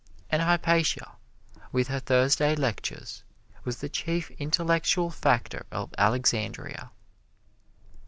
And Hypatia, with her Thursday lectures, was the chief intellectual factor of Alexandria.